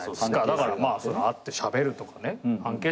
だからまあ会ってしゃべるとかね。